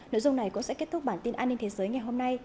nội dung này cũng sẽ kết thúc bản tin an ninh thế giới ngày hôm nay